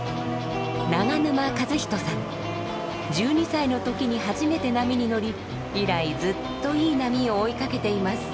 １２歳の時に初めて波に乗り以来ずっといい波を追いかけています。